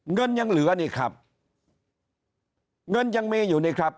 เงินยังเหลือนี่ครับเงินยังมีอยู่นี่ครับ